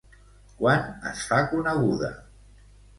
Quan es fa coneguda?